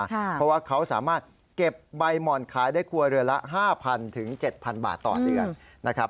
เพราะว่าเขาสามารถเก็บใบหม่อนขายได้ครัวเรือนละ๕๐๐๗๐๐บาทต่อเดือนนะครับ